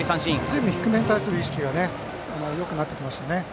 随分、低めに対する意識がよくなってきましたね。